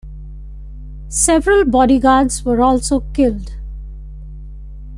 Several bodyguards were also killed.